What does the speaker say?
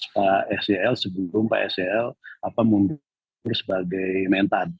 pak sel sebelum pak sel apa mundur sebagai mentad